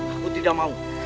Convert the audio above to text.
aku tidak mau